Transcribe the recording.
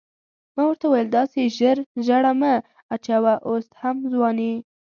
ما ورته وویل داسې ژر زړه مه اچوه اوس هم ځوان یې.